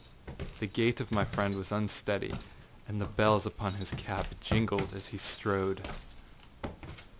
The gait of my friend was unsteady, and the bells upon his cap jingled as he strode.